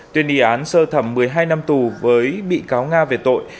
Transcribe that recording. tuyên y án sơ thẩm một mươi hai năm tù với bị cáo nga về tội